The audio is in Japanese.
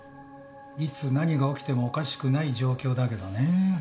いつ何が起きてもおかしくない状況だけどね。